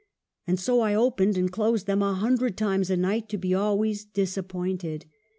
And so I opened and closed them a hundred times a night to be al ways disappointed.